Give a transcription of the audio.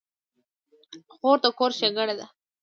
خور د کور ښېګڼه ده.